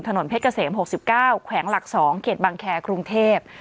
ถนนเพชรเกษมหกสิบเก้าแขวงหลักสองเกียรติบังแครกรุงเทพฯ